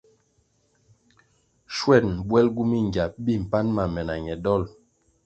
Schwen bwelgu mingya mi mpan ma me na ñe dol.